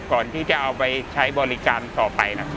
ก่อนที่จะเอาไปใช้บริการต่อไปนะครับ